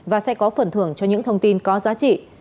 và sẽ có phần thưởng cho những thông tin có giá trị